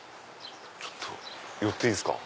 ちょっと寄っていいですか？